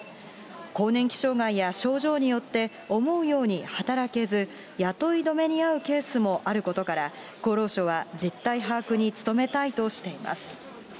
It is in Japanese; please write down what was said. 更年期障害や症状によって、思うように働けず、雇い止めにあうケースもあることから、厚労省は実態把握に努めたいとしています。